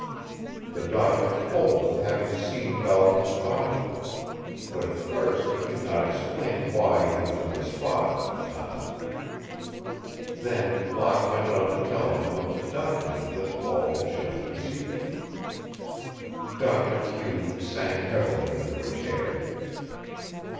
The doctor told of having seen Balcom's body. But at first he could not explain why he was in the spot at the time. Then Locke went on to tell him of the document that Paul had shown to Zita. Doctor Q sank heavily into a chair.